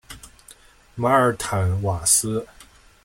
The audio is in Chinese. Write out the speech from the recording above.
马尔坦瓦斯。